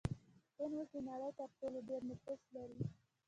هند اوس د نړۍ تر ټولو ډیر نفوس لري.